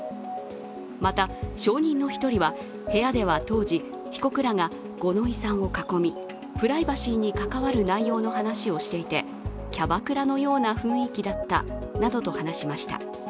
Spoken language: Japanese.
また、証人の１人は、部屋では当時、被告らが五ノ井さんを囲み、プライバシーに関わる内容の話をしていてキャバクラのような雰囲気だったなどと話しました。